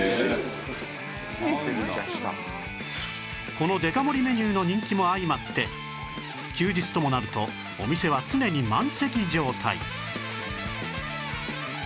このデカ盛りメニューの人気も相まって休日ともなるとお店は常に満席状態